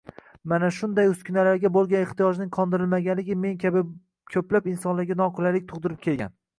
Mana shunday uskunalarga boʻlgan ehtiyojning qondirilmagani men kabi koʻplab insonlarga noqulaylik tugʻdirib kelgan.